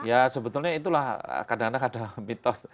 ya sebetulnya itulah kadang kadang mitos